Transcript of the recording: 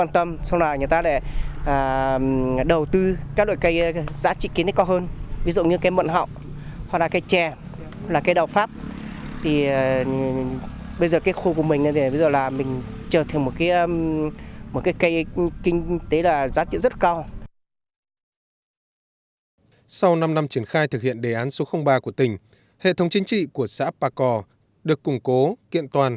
trong thông tin quốc tế